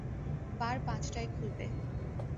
বার পাঁচটায় খুলবে।